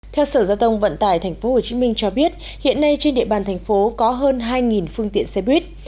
theo sở giao thông vận tải tp hcm cho biết hiện nay trên địa bàn thành phố có hơn hai phương tiện xe buýt